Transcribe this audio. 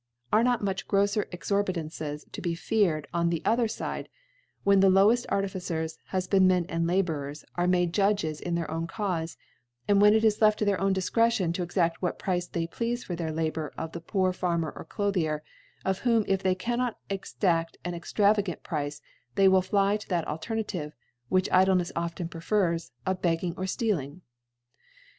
Are not much groffer Exorbi tancies to be feared oh the other Side, when the lowcft Artificers, Hulbandmcn, and La bourers, are made Judges in their own Claufe ; and when it is left to theif own Dif cretion, to exafl: what Price they pleafe for their Labour, of the poor Farmer or Clo* thicr ; of whom if they cannot exaft an ex travagant Price, they will fly to that A^ ternative which Idlenefs often prefers, of Bagging or Stealing?